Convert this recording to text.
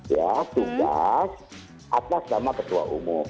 ya tugas atas nama ketua umum